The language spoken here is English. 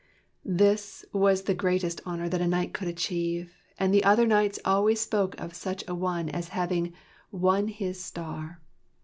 This was the greatest honor that a knight could achieve, and the other knights always spoke of such a one as having " won his star."